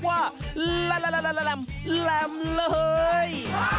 ลาลาลาลรำราลาลลลั้่วเฮย